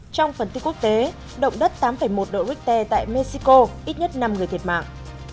trong phần tin quốc tế động đất tám một độ richter tại mexico ít nhất năm người thiệt mạng